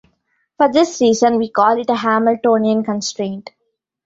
For this reason we call it a Hamiltonian constraint.